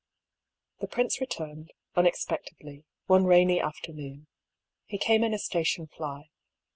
The prince returned, unexpectedly, one rainy after noon. He came in a station fly.